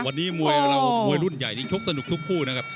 วันนี้มวยเรามวยรุ่นใหญ่นี่ชกสนุกทุกคู่นะครับ